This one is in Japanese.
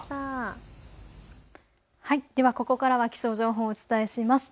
ではここからは気象情報をお伝えします。